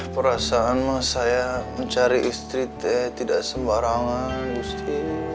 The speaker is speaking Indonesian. perasaan mah saya mencari istri teh tidak sembarangan gusti